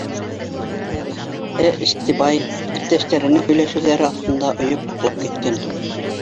Э Истебай иптәштәренең һөйләшеүҙәре аҫтында ойоп йоҡлап киткән.